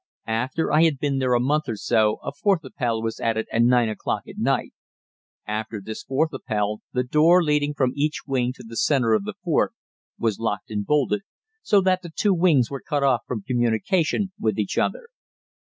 After I had been there a month or so a fourth Appell was added at 9 o'clock at night. After this fourth Appell, the door leading from each wing to the center of the fort was locked and bolted, so that the two wings were cut off from communication with each other.